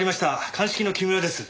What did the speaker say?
鑑識の木村です。